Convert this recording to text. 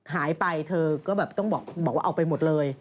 หายไปเธอก็แบบต้องบอกว่าเอาไปหมดเลย